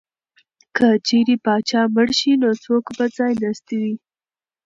که چېرې پاچا مړ شي نو څوک به ځای ناستی وي؟